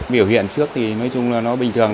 biểu hiện trước thì nói chung là nó bình thường